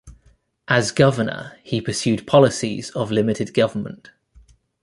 As governor, he pursued policies of limited government.